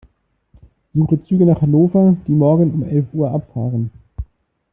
Suche Züge nach Hannover, die morgen um elf Uhr abfahren.